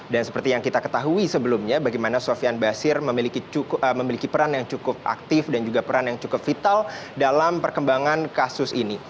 dan seperti yang kita ketahui sebelumnya bagaimana sofian basir memiliki peran yang cukup aktif dan juga peran yang cukup vital dalam perkembangan kasus ini